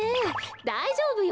だいじょうぶよ。